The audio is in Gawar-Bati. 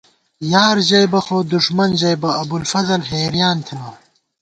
یار ژَئیبہ خو دُݭمن ژئیبہ ، ابوالفضل حېریان تھنہ